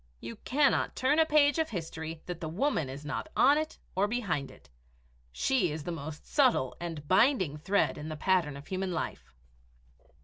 You cannot turn a page of history that the woman is not on it or behind it. She is the most subtle and binding thread in the pattern of Human Life!